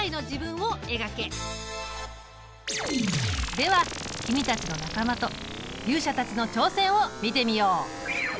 では君たちの仲間と勇者たちの挑戦を見てみよう！